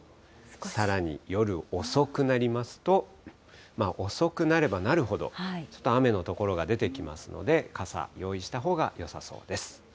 さらに夜遅くなりますと、遅くなればなるほど、ちょっと雨の所が出てきますので、傘、用意したほうがよさそうです。